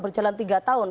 berjalan tiga tahun